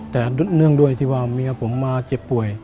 แต่เนื่องด้วยที่ว่าเมียผมมาเจ็บป่วย